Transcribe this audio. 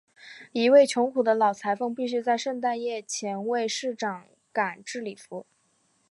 一位穷苦的老裁缝必须在圣诞夜前为市长赶制礼服。